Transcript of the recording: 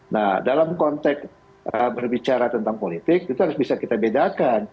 nah dalam konteks berbicara tentang politik itu harus bisa kita bedakan